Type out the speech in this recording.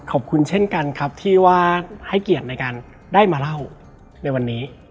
ขอบคุณเช่นกันครับที่ว่าให้เกียรติในการได้มาเล่าในวันนี้